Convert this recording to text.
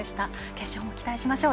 決勝も期待しましょう。